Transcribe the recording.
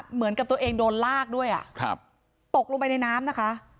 เหมือนกับตัวเองโดนลากด้วยตกลงไปในน้ำนะคะ